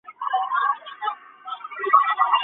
这个公式也称二项式公式或二项恒等式。